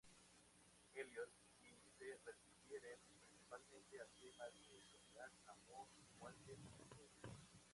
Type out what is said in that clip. Eliot, y se refieren principalmente a temas de soledad, amor, muerte y sueños.